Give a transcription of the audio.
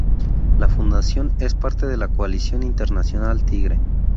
La fundación es parte de la Coalición Internacional Tigre.